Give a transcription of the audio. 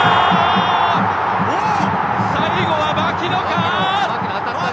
最後は槙野か！